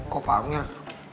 kok pak amir